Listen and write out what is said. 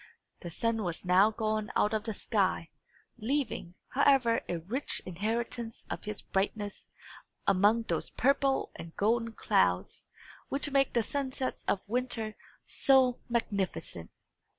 The sun was now gone out of the sky, leaving, however, a rich inheritance of his brightness among those purple and golden clouds which make the sunsets of winter so magnificent.